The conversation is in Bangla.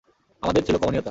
আমাদের ছিল কমনীয়তা!